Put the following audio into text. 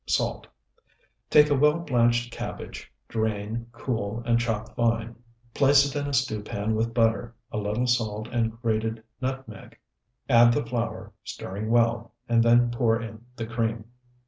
Salt. Take a well blanched cabbage, drain, cool, and chop fine; place it in a stew pan with butter, a little salt, and grated nutmeg; add the flour, stirring well, and then pour in the cream.